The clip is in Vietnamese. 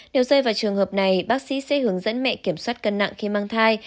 nếu rơi vào trường hợp này bác sĩ sẽ hướng dẫn mẹ kiểm soát cân nặng khi mang thai